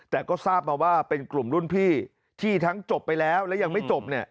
แต่ก็ทราบมาว่าเป็นกลุ่มรุ่นพี่ที่ทั้งจบไปแล้วและยังไม่จบ